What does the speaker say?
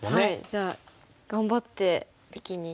じゃあ頑張って生きにいきます。